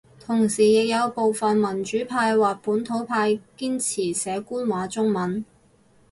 同時亦有部份民主派或本土派堅持寫官話中文